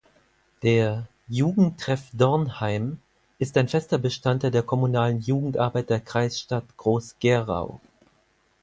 Der "Jugendtreff Dornheim" ist ein fester Bestandteil der kommunalen Jugendarbeit der Kreisstadt Groß-Gerau.